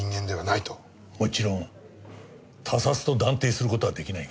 もちろん他殺と断定する事は出来ないが。